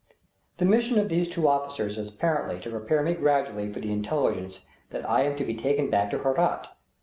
The mission of these two officers is apparently to prepare me gradually for the intelligence that I am to be taken back to Herat.